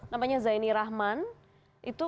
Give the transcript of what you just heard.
namanya zaini rahman itu